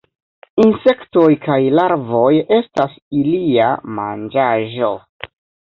Insektoj kaj larvoj estas ilia manĝaĵo.